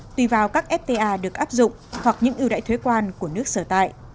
tùy vào các fta được áp dụng hoặc những ưu đại thuế quan của nước sở tại